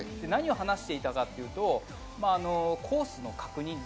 何を話していたかというと、コースの確認。